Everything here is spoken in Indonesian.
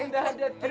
eh udah ada tina